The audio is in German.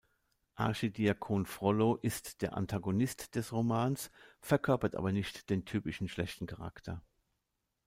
Archidiakon Frollo ist der Antagonist des Romans, verkörpert aber nicht den typischen schlechten Charakter.